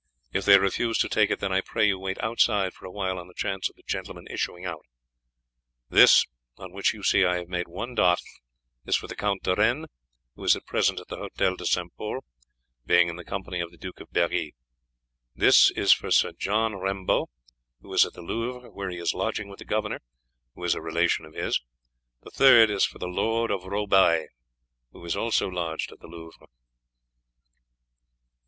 If they refuse to take it, then I pray you wait outside for a while on the chance of the gentlemen issuing out. This, on which you see I have made one dot, is for the Count de Rennes, who is at present at the Hotel of St. Pol, being in the company of the Duke of Berri; this is for Sir John Rembault, who is at the Louvre, where he is lodging with the governor, who is a relation of his; the third is for the Lord of Roubaix, who is also lodged at the Louvre."